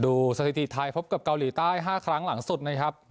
สถิติไทยพบกับเกาหลีใต้๕ครั้งหลังสุดนะครับ